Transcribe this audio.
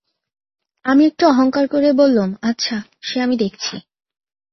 আমি একটু অহংকার করেই বললুম, আচ্ছা, সে আমি দেখছি।